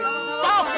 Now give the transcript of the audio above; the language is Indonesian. aduh aduh aduh